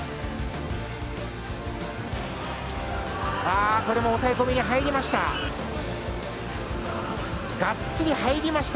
あー、これも抑え込みに入りました。